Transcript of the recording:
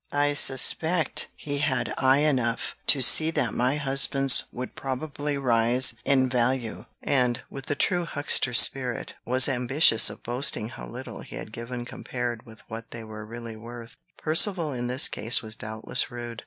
I suspect he had eye enough to see that my husband's would probably rise in value, and, with the true huckster spirit, was ambitious of boasting how little he had given compared with what they were really worth. Percivale in this case was doubtless rude.